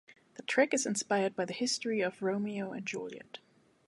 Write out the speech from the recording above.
The track is inspired by the history of "Romeo and Juliet".